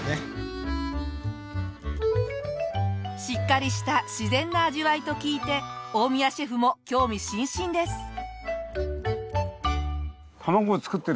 しっかりした自然な味わいと聞いて大宮シェフも興味津々です。